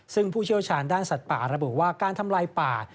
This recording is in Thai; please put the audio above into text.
ซึ่งผู้เชี่ยวชาญด้านสัตว์ป่าระบุว่าการทำลายป่า